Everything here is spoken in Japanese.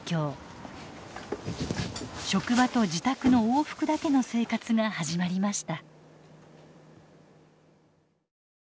職場と自宅の往復だけの生活が始まりました。